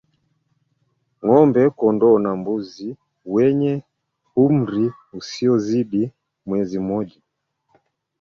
Ng'ombe kondoo na mbuzi wenye umri usiozidi mwezi mmoja